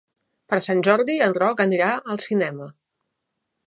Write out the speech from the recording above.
Per Sant Jordi en Roc anirà al cinema.